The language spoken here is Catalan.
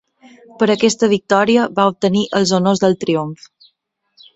Per aquesta victòria va obtenir els honors del triomf.